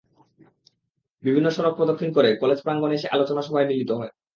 বিভিন্ন সড়ক প্রদক্ষিণ করে কলেজ প্রাঙ্গণে এসে আলোচনা সভায় মিলিত হয়।